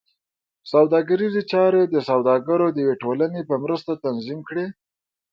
سوداګریزې چارې د سوداګرو د یوې ټولنې په مرسته تنظیم کړې.